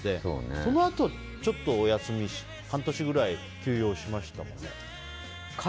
そのあとちょっとお休みして半年ぐらい休養しましたよね。